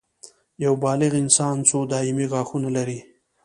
یو بالغ انسان څو دایمي غاښونه لري